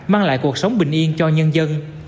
mang lại cuộc sống bình yên cho nhân dân